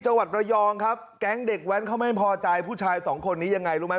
จังหวัดระยองครับแก๊งเด็กแว้นเขาไม่พอใจผู้ชายสองคนนี้ยังไงรู้ไหม